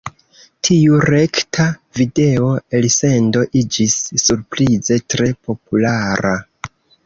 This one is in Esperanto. Tiu rekta video-elsendo iĝis surprize tre populara.